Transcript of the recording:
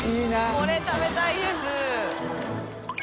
これ食べたいです。